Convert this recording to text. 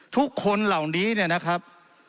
ทุกคนเหล่านี้เนี่ยนะครับ